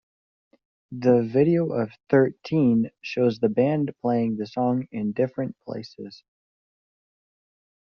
The video of "Thirteen" shows the band playing the song in different places.